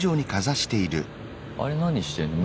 あれ何してんの？